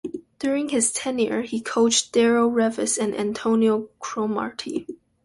During his tenure, he coached Darrelle Revis and Antonio Cromartie.